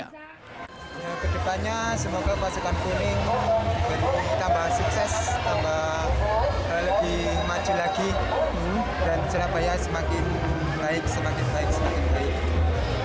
kedepannya semoga pasukan kuning tambah sukses tambah lebih maju lagi dan surabaya semakin baik semakin baik semakin baik